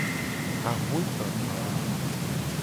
Axwe gbagba.